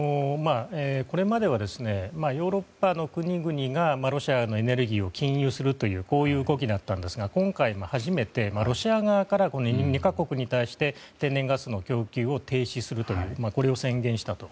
これまではヨーロッパの国々がロシアのエネルギーを禁輸するという動きだったんですが今回、初めてロシア側から２か国に対して天然ガスの供給を停止することを宣言したと。